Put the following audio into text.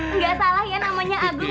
nggak salah ya namanya agung